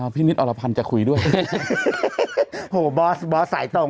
พี่นิดอรพันธ์จะคุยด้วย